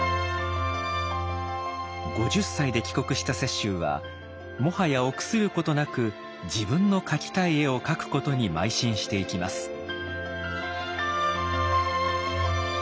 ５０歳で帰国した雪舟はもはや臆することなく自分の描きたい絵を描くことにまい進していきます。